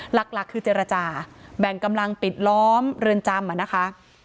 หลักคือเจรจาแบ่งกำลังปิดล้อมเรือนจำนะคะ